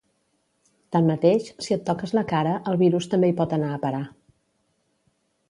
Tanmateix, si et toques la cara, el virus també hi pot anar a parar.